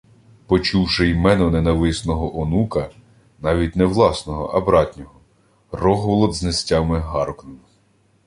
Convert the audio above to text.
Почувши ймено ненависного онука, навіть не власного, а братнього, Рогволод знестями гаркнув: